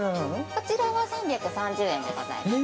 ◆こちらは３３０円でございます。